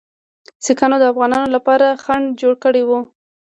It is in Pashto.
سیکهانو د افغانانو لپاره خنډ جوړ کړی وو.